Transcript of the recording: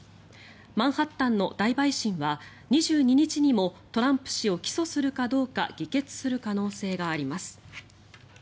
マンハッタンの大陪審は２２日にもトランプ氏を起訴するかどうか議決する可能性があります。